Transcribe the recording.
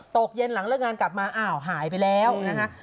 ตกเย็นหลังเลิกงานกลับมาอ้าวหายไปแล้วนะคะ